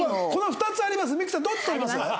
この２つあります。